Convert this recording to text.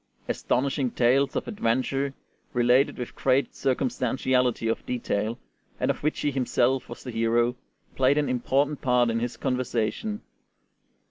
Astonishing tales of adventure, related with great circumstantiality of detail, and of which he himself was the hero, played an important part in his conversation.